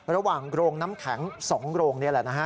ระหว่างโรงน้ำแข็ง๒โรงนี่แหละนะฮะ